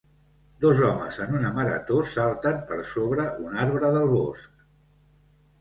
Dos homes en una marató salten per sobre un arbre del bosc